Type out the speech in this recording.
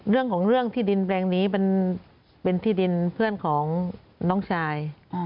เรื่องของเรื่องที่ดินแปลงนี้มันเป็นที่ดินเพื่อนของน้องชาย